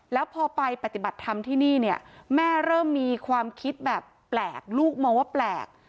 แล้วพอไปปฏิบัติธรรมที่นี่เนี่ยแม่เริ่มมีความคิดแบบแปลกลูกมองว่าแปลก